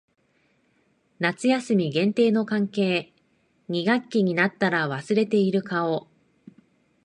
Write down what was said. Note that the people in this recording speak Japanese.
夏休み限定の関係。二学期になったら忘れている顔。